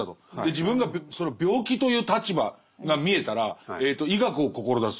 自分が病気という立場が見えたら医学を志す。